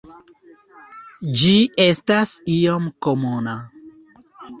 Ĝi estas iom komuna.